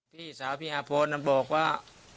พี่สาวพี่หาพลนั่นบอกว่า